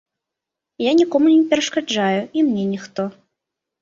Я нікому не перашкаджаю, і мне ніхто.